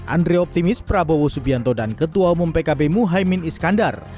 andre optimis prabowo subianto dan ketua umum pkb muhaymin iskandar